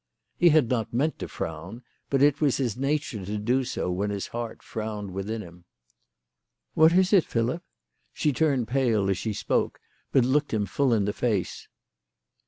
He had not meant to frown, but it was his nature to do so when his heart frowned within him. "What is it, Philip?" She turned pale as she spoke, but looked him full in the face.